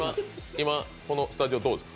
今、このスタジオどうです？